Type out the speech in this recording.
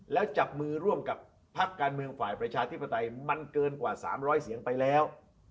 แล้วจับมือร่วมกับพักการเมืองฝ่ายประชาธิปไตยมันเกินกว่า๓๐๐เสียงไปแล้ว